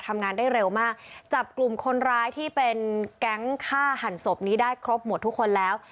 ทำงานได้เร็วมากจับกลุ่มคนร้ายที่เป็นแก๊งฆ่าหันศพนี้ได้ครบหมดทุกคนแล้ว